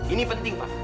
ini penting pak